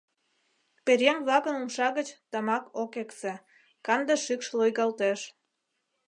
Пӧръеҥ-влакын умша гыч тамак ок эксе, канде шикш лойгалтеш.